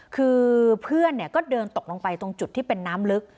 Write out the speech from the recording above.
คือเพื่อนก็เดินตกลงไปตรงจุดที่เป็นน้ำลึก